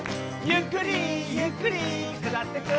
「ゆっくりゆっくり下ってく」